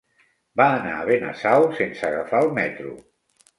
Va anar a Benasau sense agafar el metro.